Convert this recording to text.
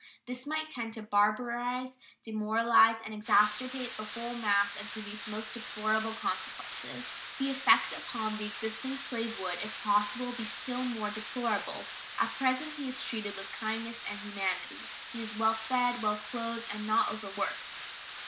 This might tend to barbarize, demoralize, and exasperate the whole mass and produce most deplorable consequences. The effect upon the existing slave would, if possible, be still more deplorable. At present he is treated with kindness and humanity. He is well fed, well clothed, and not overworked.